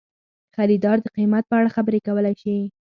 خریدار د قیمت په اړه خبرې کولی شي.